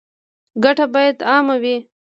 ګټه باید عامه وي